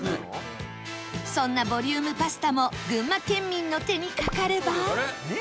そんなボリュームパスタも群馬県民の手にかかれば